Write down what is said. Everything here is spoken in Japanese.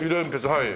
はい。